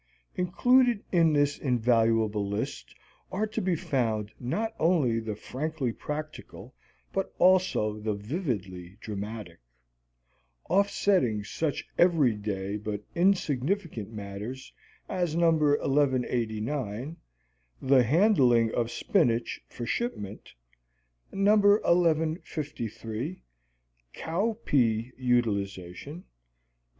Included in this invaluable list are to be found not only the frankly practical but also the vividly dramatic. Offsetting such everyday but significant matters as No. 1189, "The Handling of Spinach for Shipment"; No. 1153, "Cowpea Utilization"; No.